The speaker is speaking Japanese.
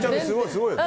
すごいわ！